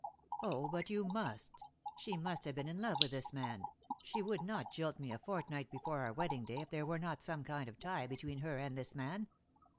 "Oh, but you must. She must have been in love with this man. She would not jilt me a fort night before our wedding day if there were not some kmd of tie between her and this man.